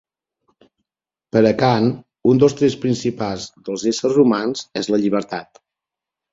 Per a Kant, un dels trets principals dels éssers humans és la llibertat.